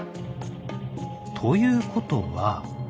ということは。